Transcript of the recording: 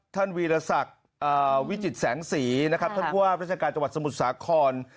ท่านวีรศักดิ์วิจิตรแสงสีท่านภวาพระชังการจังหวัดสมุทรสาคร